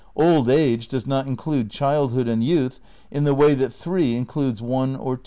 Old age does not include childhood and youth in the way that 3 includes 1 or 2.